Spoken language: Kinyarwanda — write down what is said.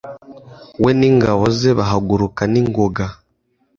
we n'ingabo ze, bahaguruka n,ingoga